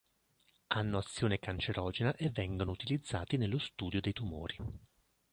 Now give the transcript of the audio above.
Hanno azione cancerogena e vengono utilizzati nello studio dei tumori.